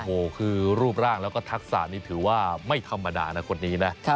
โอ้โหคือรูปร่างแล้วก็ทักษะนี้ถือว่าไม่ธรรมดานะคนนี้นะ